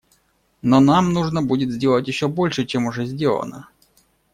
Но нам нужно будет сделать еще больше, чем уже сделано.